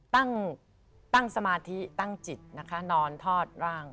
ตั้งตั้งสมาธิตั้งจิตนะคะนอนทอดร่าง